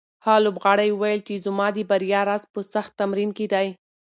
هغه لوبغاړی وویل چې زما د بریا راز په سخت تمرین کې دی.